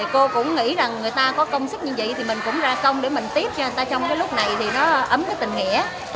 cô cũng nghĩ rằng người ta có công sức như vậy thì mình cũng ra công để mình tiếp cho người ta trong cái lúc này thì nó ấm cái tình hẻ